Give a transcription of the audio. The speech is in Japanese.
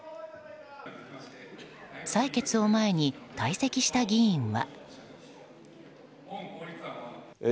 採決を前に退席した議員は。